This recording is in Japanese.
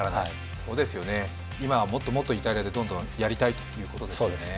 今はもっともっとイタリアでどんどんやりたいということですよね。